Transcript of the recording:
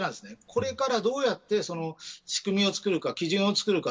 これから、どうやってその仕組み、基準を作るか。